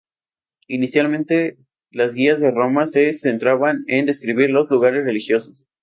Inicialmente las guías de Roma se centraban en describir los lugares religiosos.